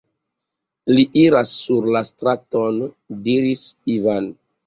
Li iras sur la straton, diris Ivan.